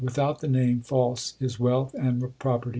Without the Name false is wealth and property.